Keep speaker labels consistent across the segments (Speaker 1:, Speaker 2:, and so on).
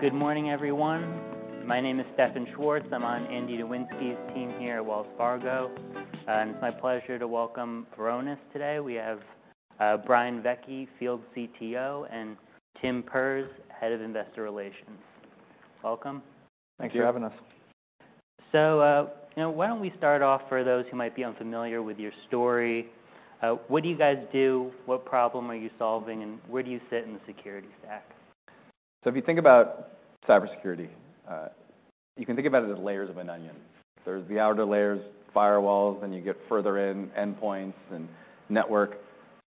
Speaker 1: Good morning, everyone. My name is Stefan Schwarz. I'm on Andy Nowinski's team here at Wells Fargo, and it's my pleasure to welcome Varonis today. We have Brian Vecci, Field CTO, and Tim Perz, Head of Investor Relations. Welcome.
Speaker 2: Thank you.
Speaker 3: Thank you for having us.
Speaker 1: So, you know, why don't we start off, for those who might be unfamiliar with your story, what do you guys do, what problem are you solving, and where do you fit in the security stack?
Speaker 3: So if you think about cybersecurity, you can think about it as layers of an onion. There's the outer layers, firewalls, then you get further in, endpoints and network.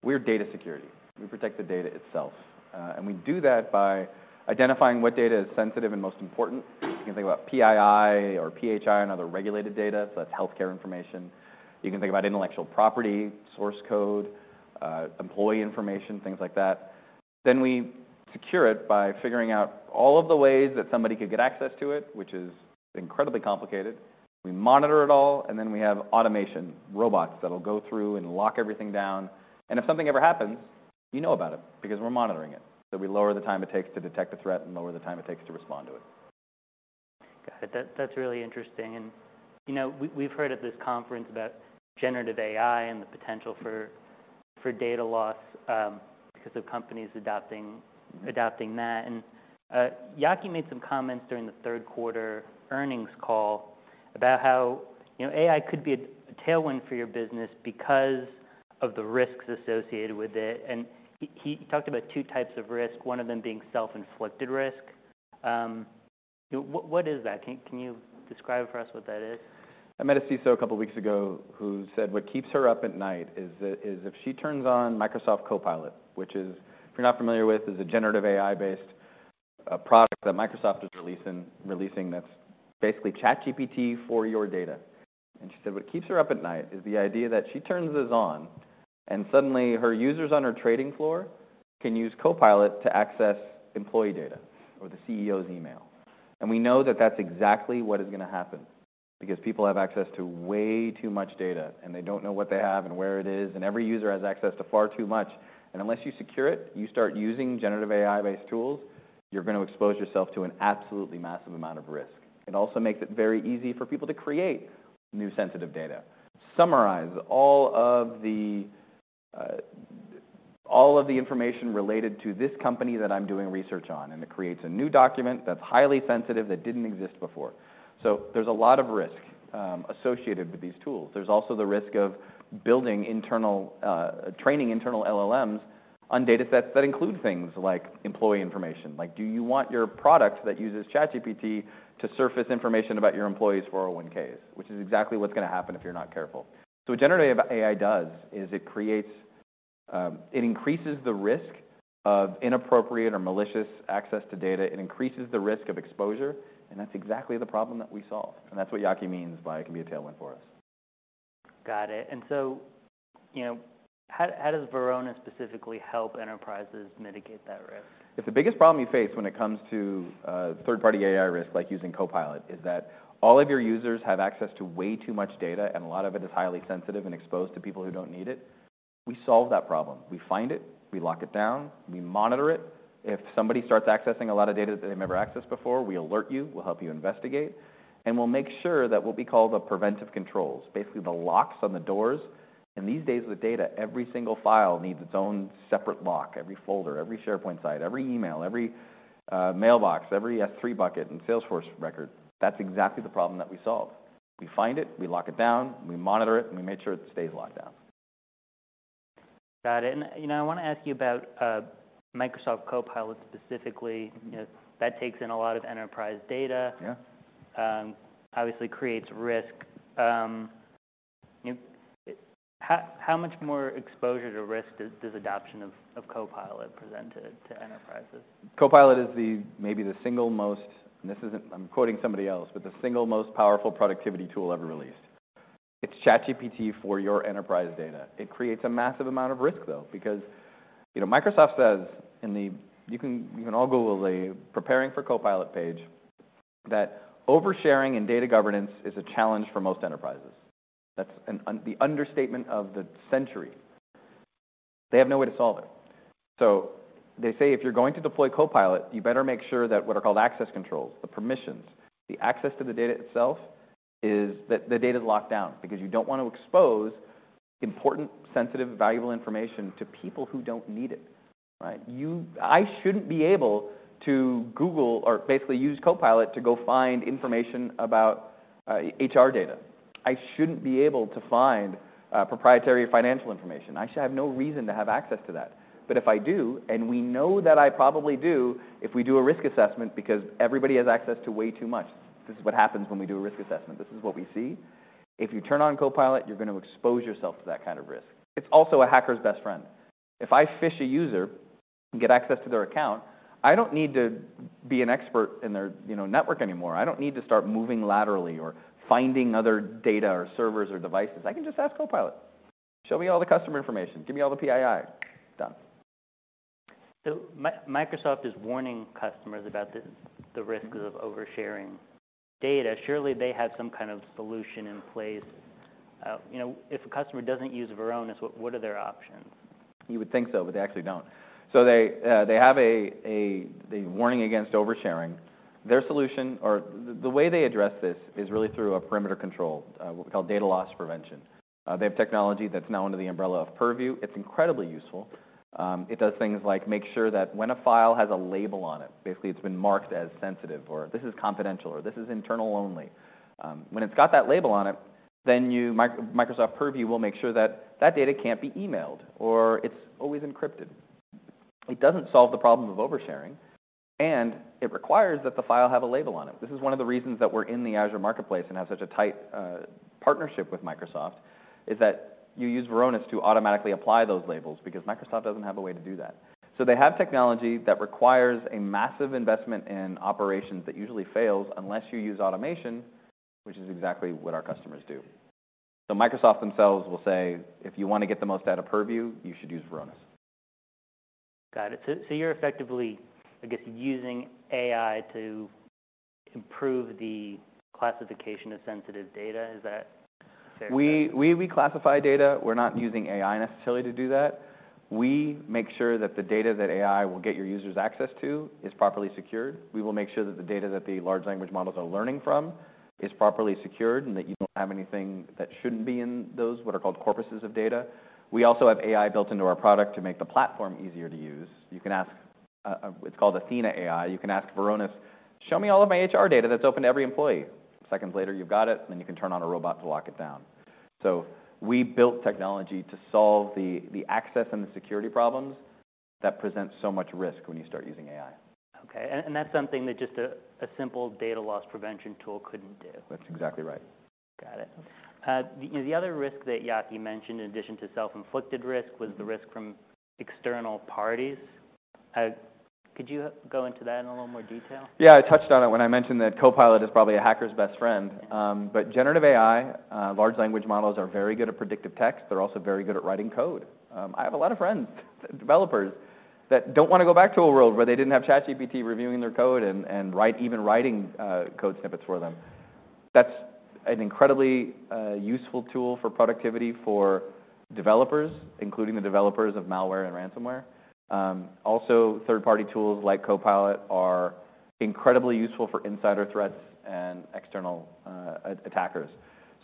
Speaker 3: We're data security. We protect the data itself, and we do that by identifying what data is sensitive and most important. You can think about PII or PHI and other regulated data, so that's healthcare information. You can think about intellectual property, source code, employee information, things like that. Then we secure it by figuring out all of the ways that somebody could get access to it, which is incredibly complicated. We monitor it all, and then we have automation, robots that'll go through and lock everything down. And if something ever happens, you know about it, because we're monitoring it. So we lower the time it takes to detect a threat and lower the time it takes to respond to it.
Speaker 1: Got it. That's really interesting, and, you know, we've heard at this conference about generative AI and the potential for data loss because of companies adopting that. And Yaki made some comments during the third quarter earnings call about how, you know, AI could be a tailwind for your business because of the risks associated with it, and he talked about two types of risk, one of them being self-inflicted risk. What is that? Can you describe for us what that is?
Speaker 3: I met a CISO a couple weeks ago who said what keeps her up at night is if she turns on Microsoft Copilot, which is, if you're not familiar with, is a generative AI-based product that Microsoft is releasing, that's basically ChatGPT for your data. And she said, what keeps her up at night is the idea that she turns this on, and suddenly her users on her trading floor can use Copilot to access employee data or the CEO's email. And we know that that's exactly what is gonna happen, because people have access to way too much data, and they don't know what they have and where it is, and every user has access to far too much. And unless you secure it, you start using generative AI-based tools, you're gonna expose yourself to an absolutely massive amount of risk. It also makes it very easy for people to create new sensitive data. Summarize all of the information related to this company that I'm doing research on, and it creates a new document that's highly sensitive that didn't exist before. So there's a lot of risk associated with these tools. There's also the risk of building internal training internal LLMs on data sets that include things like employee information. Like, do you want your product that uses ChatGPT to surface information about your employees' 401(k)s? Which is exactly what's gonna happen if you're not careful. So what generative AI does is it creates. It increases the risk of inappropriate or malicious access to data, it increases the risk of exposure, and that's exactly the problem that we solve. And that's what Yaki means by it can be a tailwind for us.
Speaker 1: Got it. And so, you know, how does Varonis specifically help enterprises mitigate that risk?
Speaker 3: It's the biggest problem you face when it comes to third-party AI risk, like using Copilot, is that all of your users have access to way too much data, and a lot of it is highly sensitive and exposed to people who don't need it. We solve that problem. We find it, we lock it down, we monitor it. If somebody starts accessing a lot of data that they've never accessed before, we alert you, we'll help you investigate, and we'll make sure that what we call the preventive controls, basically the locks on the doors. And these days, with data, every single file needs its own separate lock, every folder, every SharePoint site, every email, every mailbox, every S3 bucket, and Salesforce record. That's exactly the problem that we solve. We find it, we lock it down, we monitor it, and we make sure it stays locked down.
Speaker 1: Got it. And, you know, I wanna ask you about Microsoft Copilot specifically. You know, that takes in a lot of enterprise data-
Speaker 3: Yeah ...
Speaker 1: obviously creates risk. How much more exposure to risk does adoption of Copilot present to enterprises?
Speaker 3: Copilot is the, maybe the single most, and this isn't... I'm quoting somebody else, "but the single most powerful productivity tool ever released." It's ChatGPT for your enterprise data. It creates a massive amount of risk, though, because, you know, Microsoft says in the you can, you can all Google the preparing for Copilot page, that oversharing and data governance is a challenge for most enterprises. That's the understatement of the century. They have no way to solve it. So they say if you're going to deploy Copilot, you better make sure that what are called access controls, the permissions, the access to the data itself, is that the data is locked down, because you don't want to expose important, sensitive, valuable information to people who don't need it, right? I shouldn't be able to Google or basically use Copilot to go find information about, HR data. I shouldn't be able to find, proprietary financial information. I should have no reason to have access to that. But if I do, and we know that I probably do, if we do a risk assessment, because everybody has access to way too much, this is what happens when we do a risk assessment. This is what we see. If you turn on Copilot, you're gonna expose yourself to that kind of risk. It's also a hacker's best friend. If I phish a user, get access to their account, I don't need to be an expert in their, you know, network anymore. I don't need to start moving laterally or finding other data or servers or devices. I can just ask Copilot, "Show me all the customer information. Give me all the PII." Done.
Speaker 1: So Microsoft is warning customers about this, the risks of oversharing data. Surely they have some kind of solution in place, you know, if a customer doesn't use Varonis, what are their options?
Speaker 3: You would think so, but they actually don't. So they have a warning against over-sharing. Their solution or the way they address this is really through a perimeter control, what we call data loss prevention. They have technology that's now under the umbrella of Purview. It's incredibly useful. It does things like make sure that when a file has a label on it, basically it's been marked as sensitive, or this is confidential, or this is internal only. When it's got that label on it, then Microsoft Purview will make sure that that data can't be emailed, or it's always encrypted. It doesn't solve the problem of over-sharing, and it requires that the file have a label on it. This is one of the reasons that we're in the Azure Marketplace and have such a tight partnership with Microsoft, is that you use Varonis to automatically apply those labels, because Microsoft doesn't have a way to do that. So they have technology that requires a massive investment in operations that usually fails unless you use automation, which is exactly what our customers do. So Microsoft themselves will say, "If you want to get the most out of Purview, you should use Varonis.
Speaker 1: Got it. So, you're effectively, I guess, using AI to improve the classification of sensitive data? Is that fair?
Speaker 3: We classify data. We're not using AI necessarily to do that. We make sure that the data that AI will get your users access to is properly secured. We will make sure that the data that the large language models are learning from is properly secured, and that you don't have anything that shouldn't be in those, what are called corpuses of data. We also have AI built into our product to make the platform easier to use. You can ask... It's called Athena AI. You can ask Varonis, "Show me all of my HR data that's open to every employee." Seconds later, you've got it, and then you can turn on a robot to lock it down. So we built technology to solve the access and the security problems that present so much risk when you start using AI.
Speaker 1: Okay. And that's something that just a simple Data Loss Prevention tool couldn't do?
Speaker 3: That's exactly right.
Speaker 1: Got it. The other risk that Yaki mentioned, in addition to self-inflicted risk, was the risk from external parties. Could you go into that in a little more detail?
Speaker 3: Yeah, I touched on it when I mentioned that Copilot is probably a hacker's best friend.
Speaker 1: Yeah.
Speaker 3: But generative AI, large language models are very good at predictive text. They're also very good at writing code. I have a lot of friends, developers, that don't wanna go back to a world where they didn't have ChatGPT reviewing their code and even writing code snippets for them. That's an incredibly useful tool for productivity for developers, including the developers of malware and ransomware. Also, third-party tools like Copilot are incredibly useful for insider threats and external attackers.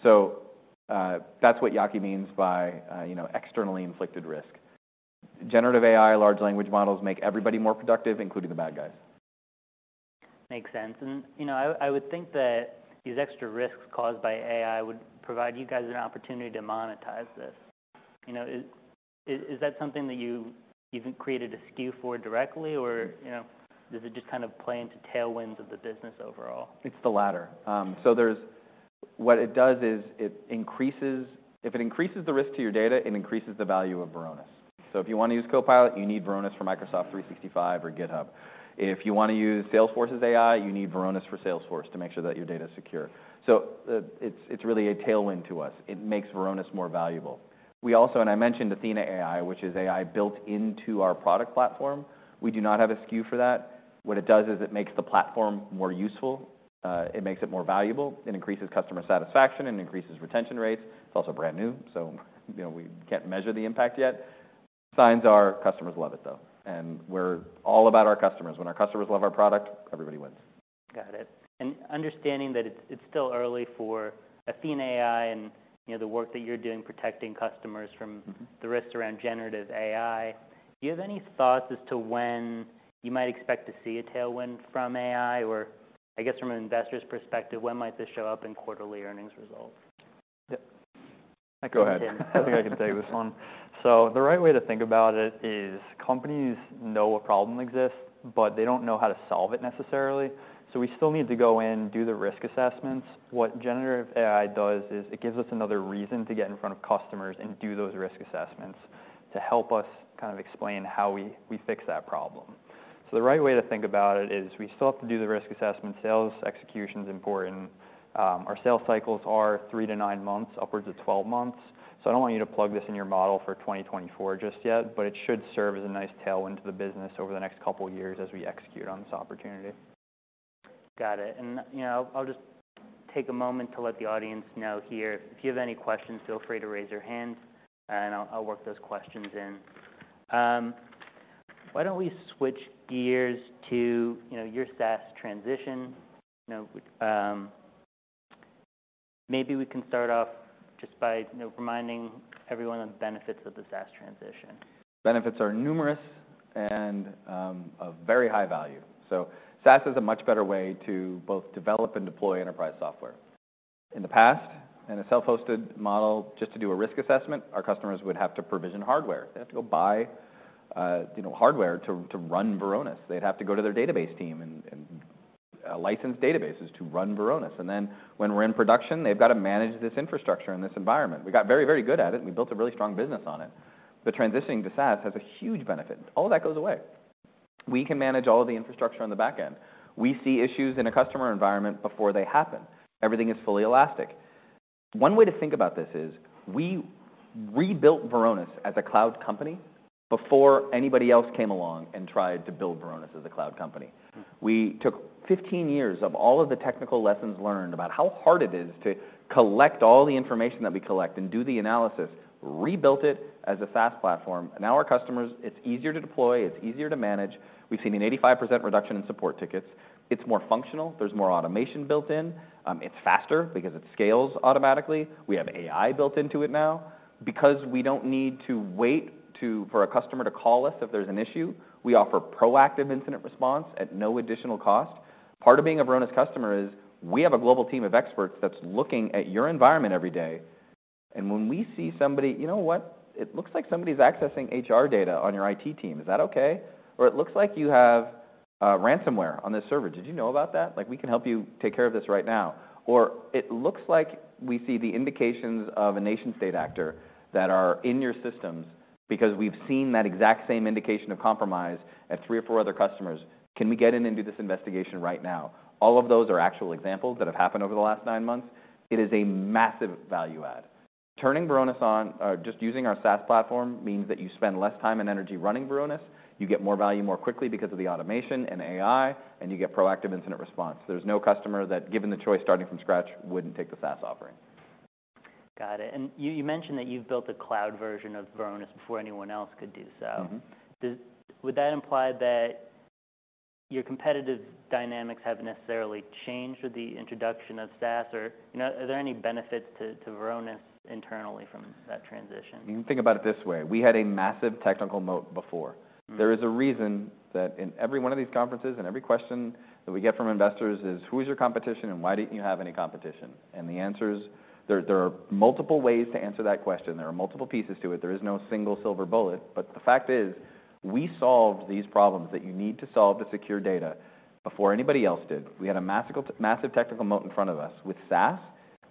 Speaker 3: So, that's what Yaki means by, you know, externally inflicted risk. Generative AI, large language models make everybody more productive, including the bad guys.
Speaker 1: Makes sense. You know, I would think that these extra risks caused by AI would provide you guys an opportunity to monetize this. You know, is that something that you've created a SKU for directly, or, you know, does it just kind of play into tailwinds of the business overall?
Speaker 3: It's the latter. What it does is, if it increases the risk to your data, it increases the value of Varonis. So if you want to use Copilot, you need Varonis for Microsoft 365 or GitHub. If you wanna use Salesforce's AI, you need Varonis for Salesforce to make sure that your data is secure. So it's really a tailwind to us. It makes Varonis more valuable. We also. I mentioned Athena AI, which is AI built into our product platform. We do not have a SKU for that. What it does is it makes the platform more useful. It makes it more valuable. It increases customer satisfaction and increases retention rates. It's also brand new, so, you know, we can't measure the impact yet. Signs are customers love it, though, and we're all about our customers. When our customers love our product, everybody wins.
Speaker 1: Got it. And understanding that it's still early for Athena AI and, you know, the work that you're doing protecting customers from-
Speaker 3: Mm-hmm.
Speaker 1: The risks around generative AI, do you have any thoughts as to when you might expect to see a tailwind from AI? Or I guess from an investor's perspective, when might this show up in quarterly earnings results?
Speaker 2: Yeah.
Speaker 3: Go ahead.
Speaker 2: I think I can take this one. So the right way to think about it is, companies know a problem exists, but they don't know how to solve it necessarily. So we still need to go in, do the risk assessments. What generative AI does is it gives us another reason to get in front of customers and do those risk assessments, to help us kind of explain how we, we fix that problem. So the right way to think about it is, we still have to do the risk assessment. Sales execution is important. Our sales cycles are three-nine months, upwards of 12 months. So I don't want you to plug this in your model for 2024 just yet, but it should serve as a nice tailwind to the business over the next couple years as we execute on this opportunity.
Speaker 1: Got it. You know, I'll just take a moment to let the audience know here, if you have any questions, feel free to raise your hands, and I'll, I'll work those questions in. Why don't we switch gears to, you know, your SaaS transition? You know, maybe we can start off just by, you know, reminding everyone of the benefits of the SaaS transition.
Speaker 3: Benefits are numerous and of very high value. So SaaS is a much better way to both develop and deploy enterprise software. In the past, in a self-hosted model, just to do a risk assessment, our customers would have to provision hardware. They'd have to go buy you know, hardware to run Varonis. They'd have to go to their database team and license databases to run Varonis. And then, when we're in production, they've got to manage this infrastructure and this environment. We got very, very good at it, and we built a really strong business on it. But transitioning to SaaS has a huge benefit. All of that goes away. We can manage all of the infrastructure on the back end. We see issues in a customer environment before they happen. Everything is fully elastic. One way to think about this is, We built Varonis as a cloud company before anybody else came along and tried to build Varonis as a cloud company. We took 15 years of all of the technical lessons learned about how hard it is to collect all the information that we collect and do the analysis, rebuilt it as a SaaS platform. And now our customers, it's easier to deploy, it's easier to manage. We've seen an 85% reduction in support tickets. It's more functional. There's more automation built in. It's faster because it scales automatically. We have AI built into it now. Because we don't need to wait for a customer to call us if there's an issue, we offer proactive incident response at no additional cost. Part of being a Varonis customer is we have a global team of experts that's looking at your environment every day, and when we see somebody, "You know what? It looks like somebody's accessing HR data on your IT team. Is that okay?" Or, "It looks like you have ransomware on this server. Did you know about that? Like, we can help you take care of this right now." Or, "It looks like we see the indications of a nation state actor that are in your systems because we've seen that exact same indication of compromise at three or four other customers. Can we get in and do this investigation right now?" All of those are actual examples that have happened over the last nine months. It is a massive value add. Turning Varonis on, or just using our SaaS platform, means that you spend less time and energy running Varonis, you get more value more quickly because of the automation and AI, and you get proactive incident response. There's no customer that, given the choice starting from scratch, wouldn't take the SaaS offering.
Speaker 1: Got it. And you mentioned that you've built a cloud version of Varonis before anyone else could do so.
Speaker 3: Mm-hmm.
Speaker 1: Would that imply that your competitive dynamics have necessarily changed with the introduction of SaaS? Or, you know, are there any benefits to Varonis internally from that transition?
Speaker 3: You can think about it this way: We had a massive technical moat before.
Speaker 1: Mm.
Speaker 3: There is a reason that in every one of these conferences and every question that we get from investors is: "Who is your competition, and why didn't you have any competition?" And the answer is, there are multiple ways to answer that question. There are multiple pieces to it. There is no single silver bullet, but the fact is, we solved these problems that you need to solve to secure data before anybody else did. We had a massive technical moat in front of us. With SaaS,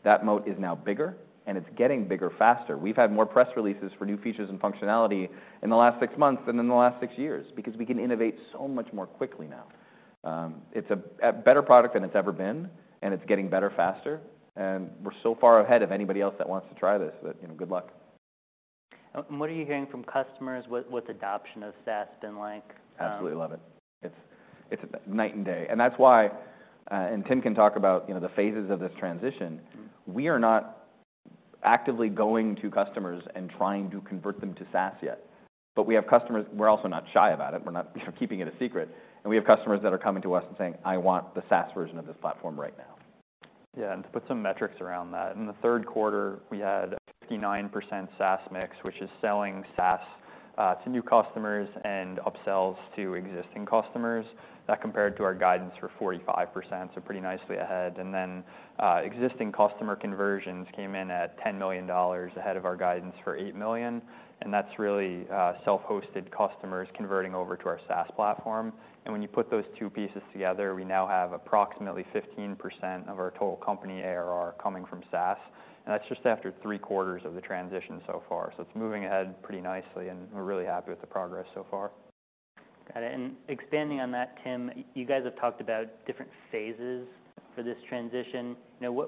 Speaker 3: that moat is now bigger, and it's getting bigger faster. We've had more press releases for new features and functionality in the last six months than in the last six years, because we can innovate so much more quickly now. It's a better product than it's ever been, and it's getting better faster, and we're so far ahead of anybody else that wants to try this that, you know, good luck.
Speaker 1: What are you hearing from customers? What, what's adoption of SaaS been like?
Speaker 3: Absolutely love it. It's, it's night and day, and that's why, and Tim can talk about, you know, the phases of this transition.
Speaker 1: Mm-hmm.
Speaker 3: We are not actively going to customers and trying to convert them to SaaS yet. But we have customers... We're also not shy about it. We're not, you know, keeping it a secret. And we have customers that are coming to us and saying, "I want the SaaS version of this platform right now.
Speaker 2: Yeah, and to put some metrics around that, in the third quarter, we had a 59% SaaS mix, which is selling SaaS to new customers and upsells to existing customers. That compared to our guidance for 45%, so pretty nicely ahead. And then, existing customer conversions came in at $10 million, ahead of our guidance for $8 million, and that's really, self-hosted customers converting over to our SaaS platform. And when you put those two pieces together, we now have approximately 15% of our total company ARR coming from SaaS, and that's just after three quarters of the transition so far. So it's moving ahead pretty nicely, and we're really happy with the progress so far.
Speaker 1: Got it. Expanding on that, Tim, you guys have talked about different phases for this transition. Now,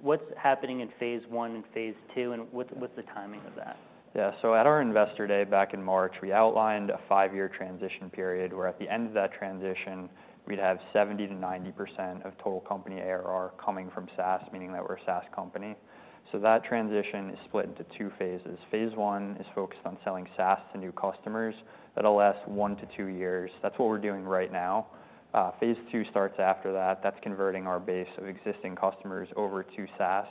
Speaker 1: what's happening in phase I and phase II, and what's the timing of that?
Speaker 2: Yeah. So at our Investor Day back in March, we outlined a five-year transition period, where at the end of that transition, we'd have 70%-90% of total company ARR coming from SaaS, meaning that we're a SaaS company. So that transition is split into two phases. Phase I is focused on selling SaaS to new customers. That'll last one-two years. That's what we're doing right now. Phase II starts after that. That's converting our base of existing customers over to SaaS.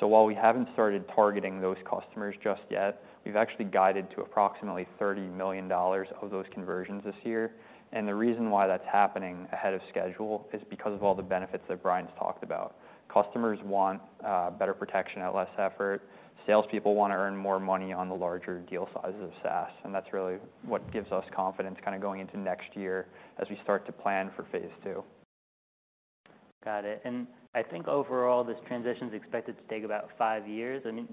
Speaker 2: So while we haven't started targeting those customers just yet, we've actually guided to approximately $30 million of those conversions this year. And the reason why that's happening ahead of schedule is because of all the benefits that Brian's talked about. Customers want better protection at less effort. Salespeople want to earn more money on the larger deal sizes of SaaS, and that's really what gives us confidence kind of going into next year as we start to plan for phase II.
Speaker 1: Got it. And I think overall, this transition's expected to take about five years, and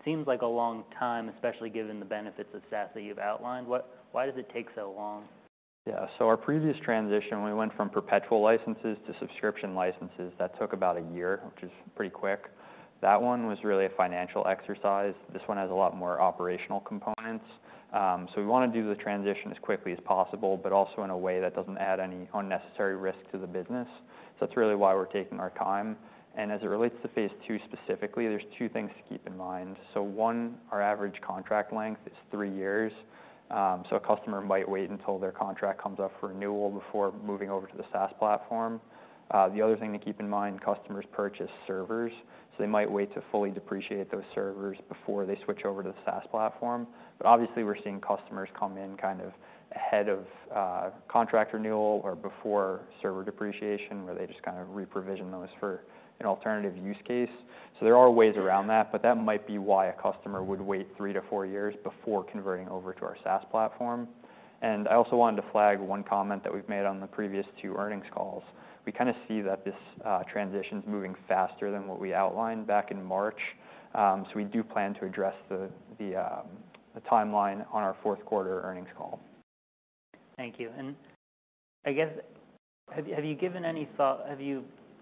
Speaker 1: it seems like a long time, especially given the benefits of SaaS that you've outlined. Why does it take so long?
Speaker 2: Yeah. So our previous transition, we went from perpetual licenses to subscription licenses. That took about a year, which is pretty quick. That one was really a financial exercise. This one has a lot more operational components. So we wanna do the transition as quickly as possible, but also in a way that doesn't add any unnecessary risk to the business. So that's really why we're taking our time. As it relates to phase II specifically, there's two things to keep in mind. So one, our average contract length is three years. So a customer might wait until their contract comes up for renewal before moving over to the SaaS platform. The other thing to keep in mind, customers purchase servers, so they might wait to fully depreciate those servers before they switch over to the SaaS platform. Obviously, we're seeing customers come in kind of ahead of contract renewal or before server depreciation, where they just kind of reprovision those for an alternative use case. There are ways around that, but that might be why a customer would wait three-four years before converting over to our SaaS platform. I also wanted to flag one comment that we've made on the previous two earnings calls. We kinda see that this transition's moving faster than what we outlined back in March. We do plan to address the timeline on our fourth quarter earnings call....
Speaker 1: Thank you. And I guess, have you given any thought,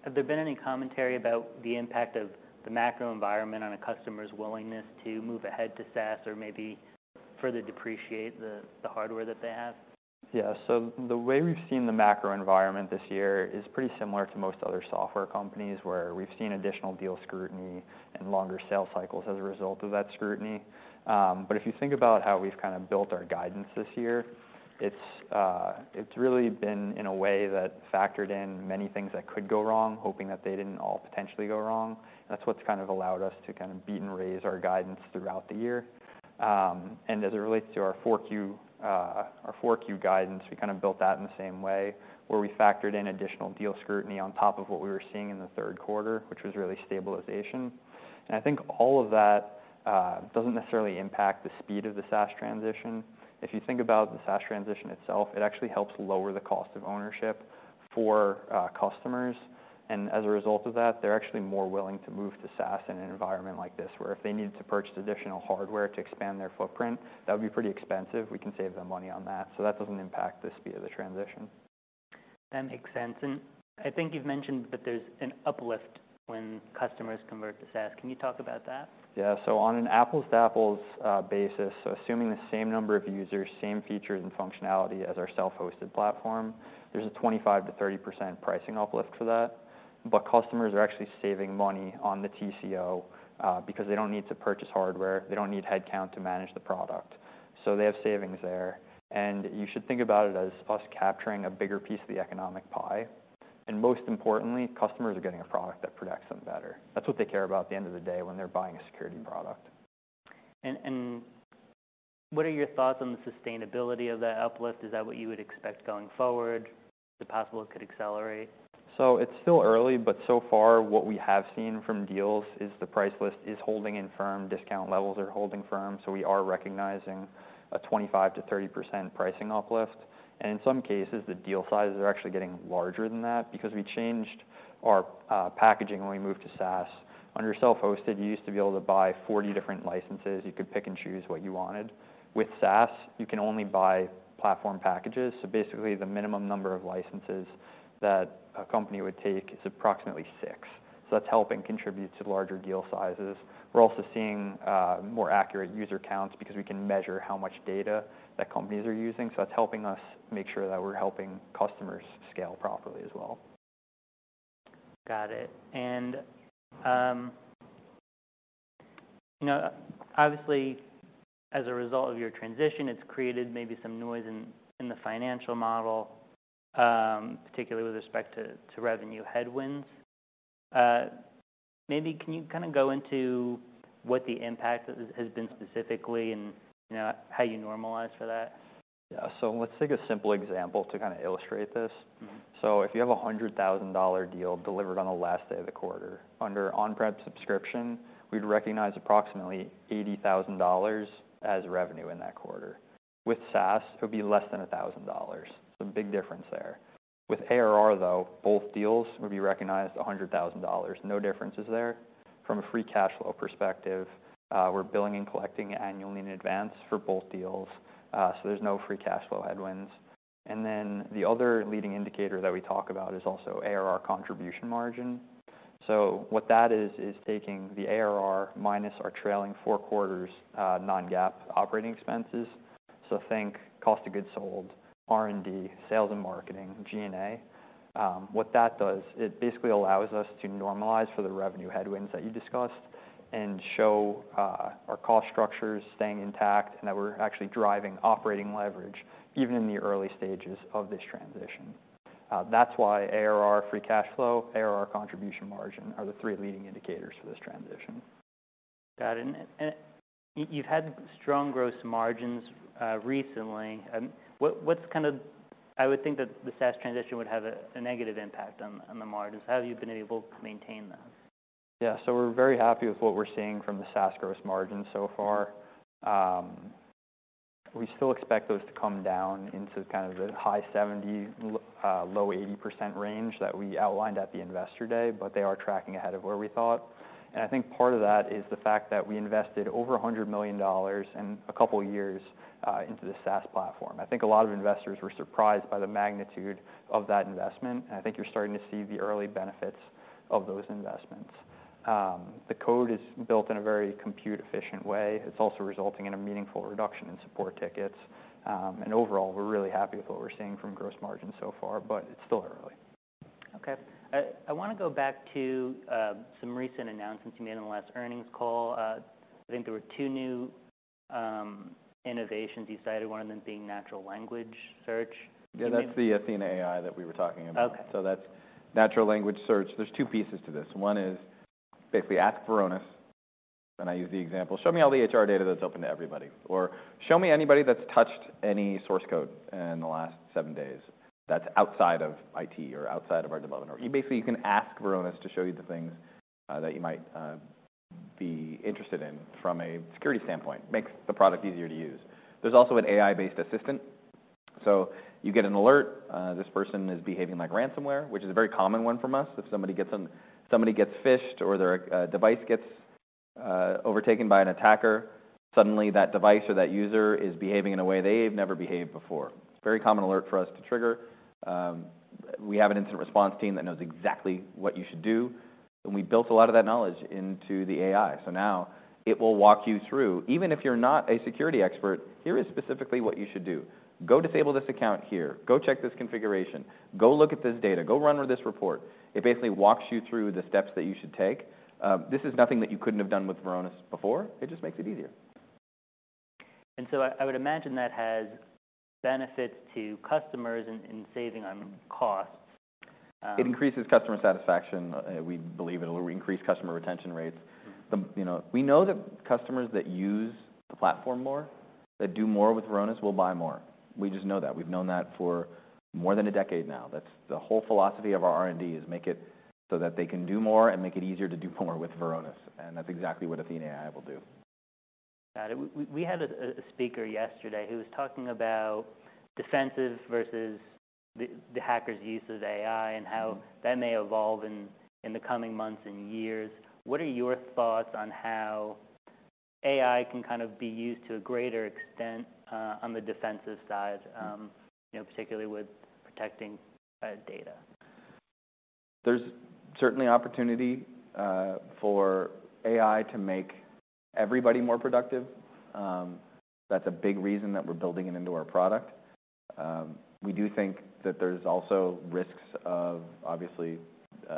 Speaker 1: have there been any commentary about the impact of the macro environment on a customer's willingness to move ahead to SaaS or maybe further depreciate the hardware that they have?
Speaker 2: Yeah. So the way we've seen the macro environment this year is pretty similar to most other software companies, where we've seen additional deal scrutiny and longer sales cycles as a result of that scrutiny. But if you think about how we've kind of built our guidance this year, it's, it's really been in a way that factored in many things that could go wrong, hoping that they didn't all potentially go wrong. That's what's kind of allowed us to kind of beat and raise our guidance throughout the year. And as it relates to our 4Q, our 4Q guidance, we kind of built that in the same way, where we factored in additional deal scrutiny on top of what we were seeing in the third quarter, which was really stabilization. I think all of that doesn't necessarily impact the speed of the SaaS transition. If you think about the SaaS transition itself, it actually helps lower the cost of ownership for customers. As a result of that, they're actually more willing to move to SaaS in an environment like this, where if they needed to purchase additional hardware to expand their footprint, that would be pretty expensive. We can save them money on that, so that doesn't impact the speed of the transition.
Speaker 1: That makes sense. I think you've mentioned that there's an uplift when customers convert to SaaS. Can you talk about that?
Speaker 2: Yeah. So on an apples-to-apples basis, so assuming the same number of users, same features and functionality as our self-hosted platform, there's a 25%-30% pricing uplift for that. But customers are actually saving money on the TCO, because they don't need to purchase hardware, they don't need headcount to manage the product, so they have savings there. And you should think about it as us capturing a bigger piece of the economic pie. And most importantly, customers are getting a product that protects them better. That's what they care about at the end of the day when they're buying a security product.
Speaker 1: What are your thoughts on the sustainability of that uplift? Is that what you would expect going forward? Is it possible it could accelerate?
Speaker 2: So it's still early, but so far, what we have seen from deals is the price list is holding firm, discount levels are holding firm, so we are recognizing a 25%-30% pricing uplift. And in some cases, the deal sizes are actually getting larger than that because we changed our packaging when we moved to SaaS. Under self-hosted, you used to be able to buy 40 different licenses. You could pick and choose what you wanted. With SaaS, you can only buy platform packages, so basically, the minimum number of licenses that a company would take is approximately six. So that's helping contribute to larger deal sizes. We're also seeing more accurate user counts because we can measure how much data that companies are using, so that's helping us make sure that we're helping customers scale properly as well.
Speaker 1: Got it. And, you know, obviously, as a result of your transition, it's created maybe some noise in the financial model, particularly with respect to revenue headwinds. Maybe can you kind of go into what the impact has been specifically and, you know, how you normalize for that?
Speaker 2: Yeah. So let's take a simple example to kind of illustrate this.
Speaker 1: Mm-hmm.
Speaker 2: So if you have a $100,000 deal delivered on the last day of the quarter, under on-prem subscription, we'd recognize approximately $80,000 as revenue in that quarter. With SaaS, it would be less than $1,000. So a big difference there. With ARR, though, both deals would be recognized $100,000. No differences there. From a free cash flow perspective, we're billing and collecting annually in advance for both deals, so there's no free cash flow headwinds. And then the other leading indicator that we talk about is also ARR contribution margin. So what that is, is taking the ARR minus our trailing four quarters, non-GAAP operating expenses. So think cost of goods sold, R&D, sales and marketing, G&A. What that does, it basically allows us to normalize for the revenue headwinds that you discussed and show our cost structures staying intact, and that we're actually driving operating leverage, even in the early stages of this transition. That's why ARR free cash flow, ARR contribution margin are the three leading indicators for this transition.
Speaker 1: Got it. And you've had strong gross margins recently. What's kind of... I would think that the SaaS transition would have a negative impact on the margins. How have you been able to maintain that?
Speaker 2: Yeah. So we're very happy with what we're seeing from the SaaS gross margin so far. We still expect those to come down into kind of the high 70s-low 80s% range that we outlined at the Investor Day, but they are tracking ahead of where we thought. And I think part of that is the fact that we invested over $100 million and a couple of years into the SaaS platform. I think a lot of investors were surprised by the magnitude of that investment, and I think you're starting to see the early benefits of those investments. The code is built in a very compute efficient way. It's also resulting in a meaningful reduction in support tickets. And overall, we're really happy with what we're seeing from gross margin so far, but it's still early.
Speaker 1: Okay. I wanna go back to some recent announcements you made on the last earnings call. I think there were two new innovations you cited, one of them being natural language search.
Speaker 3: Yeah, that's the Athena AI that we were talking about.
Speaker 1: Okay.
Speaker 3: So that's natural language search. There's two pieces to this. One is basically ask Varonis, and I use the example, "Show me all the HR data that's open to everybody," or, "Show me anybody that's touched any source code in the last seven days that's outside of IT or outside of our development." You basically, you can ask Varonis to show you the things, that you might, be interested in from a security standpoint. Makes the product easier to use. There's also an AI-based assistant. So you get an alert, this person is behaving like ransomware, which is a very common one from us. If somebody gets phished or their, device gets-... overtaken by an attacker. Suddenly, that device or that user is behaving in a way they've never behaved before. It's a very common alert for us to trigger. We have an incident response team that knows exactly what you should do, and we built a lot of that knowledge into the AI. So now it will walk you through, even if you're not a security expert, here is specifically what you should do: go disable this account here, go check this configuration, go look at this data, go run this report. It basically walks you through the steps that you should take. This is nothing that you couldn't have done with Varonis before. It just makes it easier.
Speaker 1: And so I would imagine that has benefits to customers in saving on costs.
Speaker 3: It increases customer satisfaction. We believe it'll increase customer retention rates. You know, we know that customers that use the platform more, that do more with Varonis, will buy more. We just know that. We've known that for more than a decade now. That's the whole philosophy of our R&D, is make it so that they can do more and make it easier to do more with Varonis, and that's exactly what Athena AI will do.
Speaker 1: Got it. We had a speaker yesterday who was talking about defensive versus the hackers' use of AI, and how that may evolve in the coming months and years. What are your thoughts on how AI can kind of be used to a greater extent on the defensive side, you know, particularly with protecting data?
Speaker 3: There's certainly opportunity for AI to make everybody more productive. That's a big reason that we're building it into our product. We do think that there's also risks of, obviously,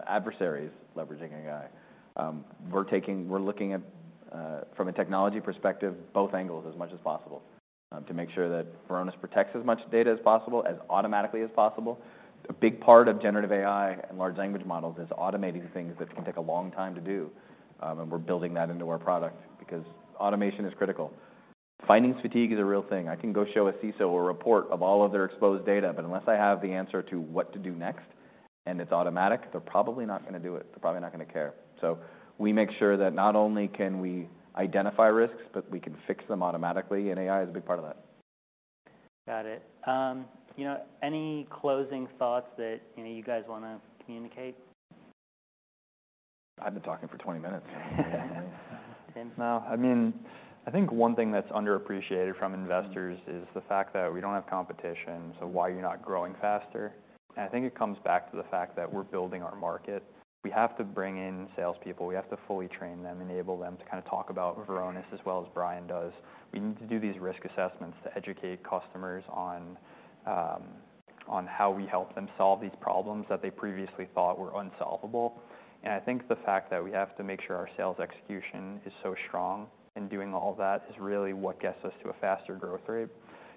Speaker 3: adversaries leveraging AI. We're looking at from a technology perspective, both angles as much as possible to make sure that Varonis protects as much data as possible, as automatically as possible. A big part of generative AI and large language models is automating things that can take a long time to do, and we're building that into our product because automation is critical. Finding fatigue is a real thing. I can go show a CISO a report of all of their exposed data, but unless I have the answer to what to do next, and it's automatic, they're probably not gonna do it. They're probably not gonna care. We make sure that not only can we identify risks, but we can fix them automatically, and AI is a big part of that.
Speaker 1: Got it. You know, any closing thoughts that, you know, you guys wanna communicate?
Speaker 3: I've been talking for 20 minutes.
Speaker 1: Tim?
Speaker 2: No, I mean, I think one thing that's underappreciated from investors is the fact that we don't have competition, so why you're not growing faster? And I think it comes back to the fact that we're building our market. We have to bring in salespeople. We have to fully train them, enable them to kinda talk about Varonis as well as Brian does. We need to do these risk assessments to educate customers on, on how we help them solve these problems that they previously thought were unsolvable. And I think the fact that we have to make sure our sales execution is so strong in doing all that is really what gets us to a faster growth rate.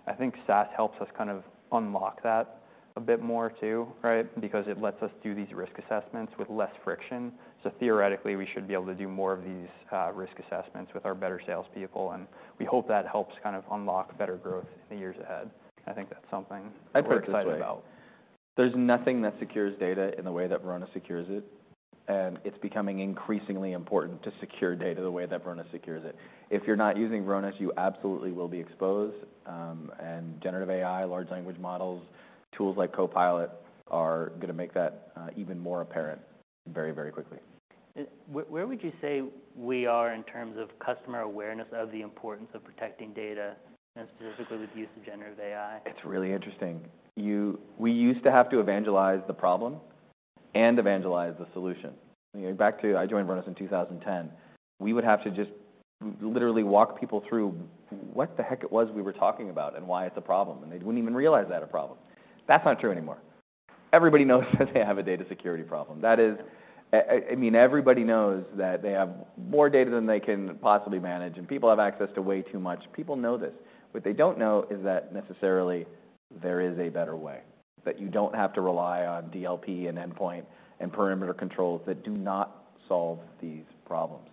Speaker 2: I think SaaS helps us kind of unlock that a bit more, too, right? Because it lets us do these risk assessments with less friction, so theoretically, we should be able to do more of these risk assessments with our better sales people, and we hope that helps kind of unlock better growth in the years ahead. I think that's something we're excited about.
Speaker 3: I'd put it this way: There's nothing that secures data in the way that Varonis secures it, and it's becoming increasingly important to secure data the way that Varonis secures it. If you're not using Varonis, you absolutely will be exposed, and generative AI, large language models, tools like Copilot, are gonna make that, even more apparent very, very quickly.
Speaker 1: Where would you say we are in terms of customer awareness of the importance of protecting data, and specifically with the use of generative AI?
Speaker 3: It's really interesting. We used to have to evangelize the problem and evangelize the solution. You know, back to... I joined Varonis in 2010. We would have to just literally walk people through what the heck it was we were talking about and why it's a problem, and they wouldn't even realize they had a problem. That's not true anymore. Everybody knows that they have a data security problem. That is, I mean, everybody knows that they have more data than they can possibly manage, and people have access to way too much. People know this. What they don't know is that necessarily there is a better way, that you don't have to rely on DLP, and endpoint, and perimeter controls that do not solve these problems.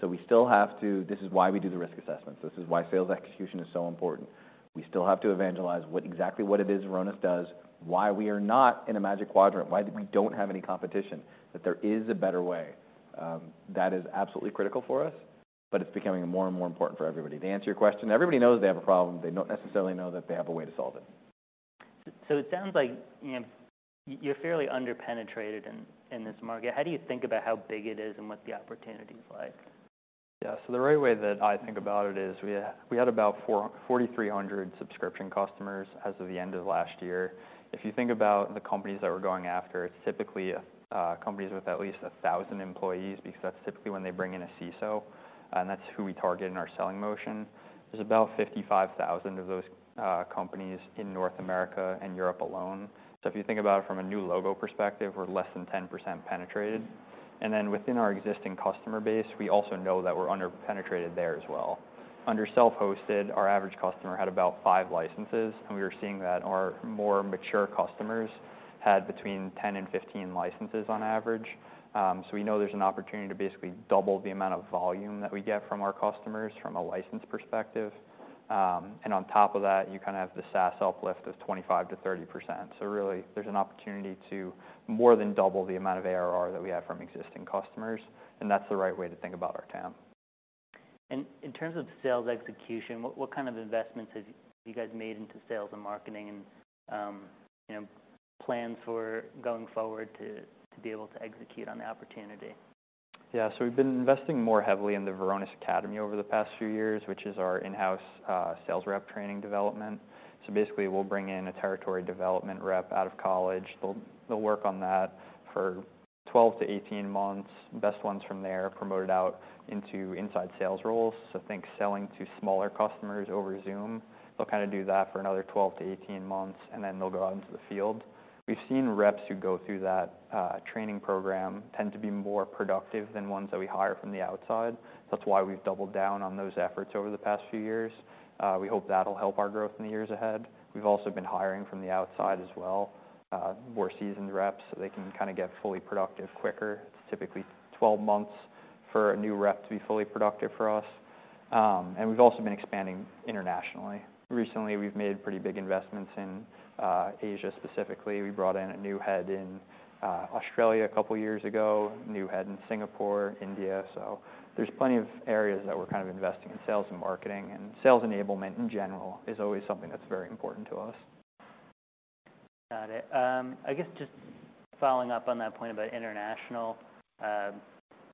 Speaker 3: So we still have to-- This is why we do the risk assessments. This is why sales execution is so important. We still have to evangelize what exactly it is Varonis does, why we are not in a Magic Quadrant, why we don't have any competition, that there is a better way. That is absolutely critical for us, but it's becoming more and more important for everybody. To answer your question, everybody knows they have a problem. They don't necessarily know that they have a way to solve it.
Speaker 1: So it sounds like, you know, you're fairly under-penetrated in this market. How do you think about how big it is and what the opportunity's like?
Speaker 2: Yeah. So the right way that I think about it is we had about 4,400 subscription customers as of the end of last year. If you think about the companies that we're going after, it's typically companies with at least 1,000 employees, because that's typically when they bring in a CISO, and that's who we target in our selling motion. There's about 55,000 of those companies in North America and Europe alone. So if you think about it from a new logo perspective, we're less than 10% penetrated. And then within our existing customer base, we also know that we're under-penetrated there as well. Under self-hosted, our average customer had about five licenses, and we were seeing that our more mature customers had between 10 and 15 licenses on average. So we know there's an opportunity to basically double the amount of volume that we get from our customers from a license perspective. And on top of that, you kinda have the SaaS uplift of 25%-30%. So really, there's an opportunity to more than double the amount of ARR that we have from existing customers, and that's the right way to think about our TAM.
Speaker 1: In terms of sales execution, what kind of investments have you guys made into sales and marketing and, you know, plans for going forward to be able to execute on the opportunity?
Speaker 2: Yeah. So we've been investing more heavily in the Varonis Academy over the past few years, which is our in-house sales rep training development. So basically, we'll bring in a territory development rep out of college. They'll work on that for 12-18 months. Best ones from there are promoted out into inside sales roles, so think selling to smaller customers over Zoom. They'll kinda do that for another 12-18 months, and then they'll go out into the field. We've seen reps who go through that training program tend to be more productive than ones that we hire from the outside. That's why we've doubled down on those efforts over the past few years. We hope that'll help our growth in the years ahead. We've also been hiring from the outside as well, more seasoned reps, so they can kinda get fully productive quicker. It's typically 12 months for a new rep to be fully productive for us. And we've also been expanding internationally. Recently, we've made pretty big investments in Asia specifically. We brought in a new head in Australia a couple years ago, a new head in Singapore, India. So there's plenty of areas that we're kind of investing in sales and marketing, and sales enablement, in general, is always something that's very important to us.
Speaker 1: Got it. I guess just following up on that point about international, you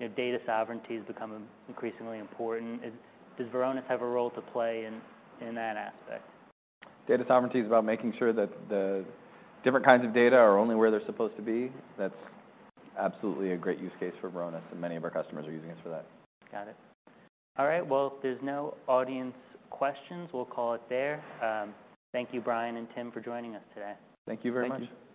Speaker 1: know, data sovereignty has become increasingly important. Does Varonis have a role to play in that aspect?
Speaker 3: Data sovereignty is about making sure that the different kinds of data are only where they're supposed to be. That's absolutely a great use case for Varonis, and many of our customers are using us for that.
Speaker 1: Got it. All right, well, if there's no audience questions, we'll call it there. Thank you, Brian and Tim, for joining us today.
Speaker 2: Thank you very much.